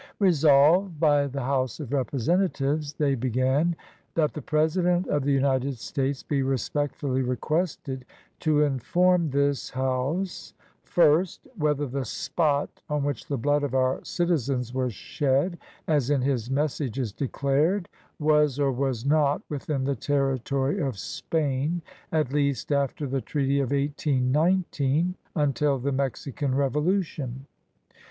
Resolved by the House of Representatives [they began], That the President of the United States be respectfully requested to inform this House — First. Whether the spot on which the blood of our citi zens was shed, as in his messages declared,, was or was not within the territory of Spain, at least after the treaty of 1819 until the Mexican revolution.